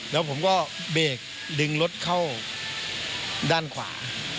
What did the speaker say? แล้วผมก็เบรกดึงรถเข้าด้านขวา